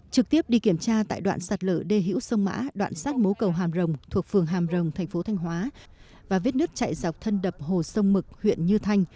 trực tiếp đi kiểm tra tại đoạn sạt lở đê hữu sông mã đoạn sát mố cầu hàm rồng thuộc phường hàm rồng thành phố thanh hóa và vết nước chạy dọc thân đập hồ sông mực huyện như thanh